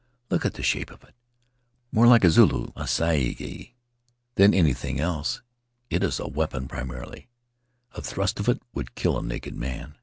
Look at the shape of it — more like a Zulu assegai than anything else; it is a weapon, primarily; a thrust of it would kill a naked man.